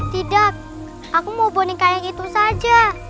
tidak aku mau boneka yang itu saja